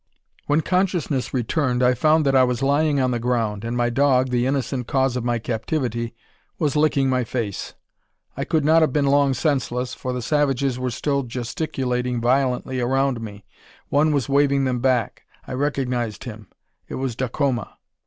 When consciousness returned, I found that I was lying on the ground, and my dog, the innocent cause of my captivity, was licking my face. I could not have been long senseless, for the savages were still gesticulating violently around me. One was waving them back. I recognised him. It was Dacoma!